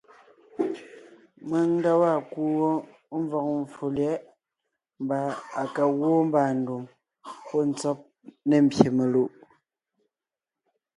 Mèŋ nda waa kuu wó mvɔ̀g mvfò lyɛ̌ʼ mbà à ka gwoon mbàandùm pɔ́ ntsɔ́b ne mbyè melùʼ;